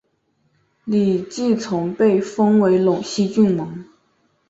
李继崇被封为陇西郡王。